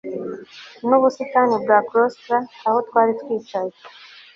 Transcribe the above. nubusitani bwa claustral aho twari twicaye